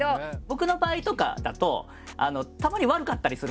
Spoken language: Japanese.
僕の場合とかだとたまに悪かったりするんですよ。